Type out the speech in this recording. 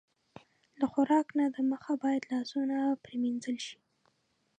له خوراک نه د مخه باید لاسونه پرېمنځل شي.